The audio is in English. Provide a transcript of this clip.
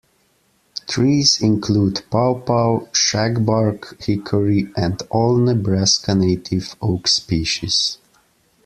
Trees include paw paw, shagbark hickory, and all Nebraska-native oak species.